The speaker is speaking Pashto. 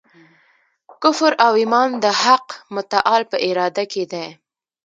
کفر او ایمان د حق متعال په اراده کي دی.